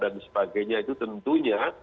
dan sebagainya itu tentunya